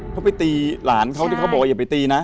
เขาไปตีหลานเขาที่เขาบอกว่าอย่าไปตีนะ